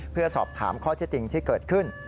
เพื่อสอบถามข้อเท็จจริงที่เกิดขึ้น